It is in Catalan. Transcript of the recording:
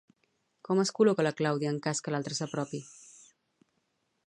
Com es col·loca la Clàudia en cas que l'altre s'apropi?